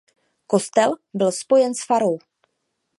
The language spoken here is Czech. Kostel byl spojen s farou.